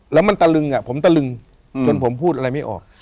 แล้วมันตะลึงผมตะลึงจนผมพูดอะไรไม่ออก